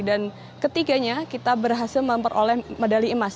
dan ketiganya kita berhasil memperoleh medali emas